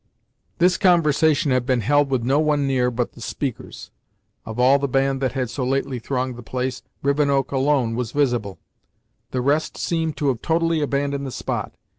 This conversation had been held with no one near but the speakers. Of all the band that had so lately thronged the place, Rivenoak alone was visible. The rest seemed to have totally abandoned the spot.